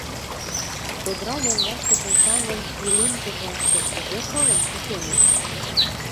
Чодыра лоҥгаште почаҥын, илем коклаште кузе кылым кученыт?